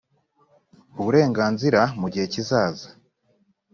uburenganzira mu gihe kizaza